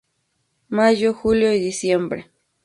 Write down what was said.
Mayo-julio y diciembre, fr.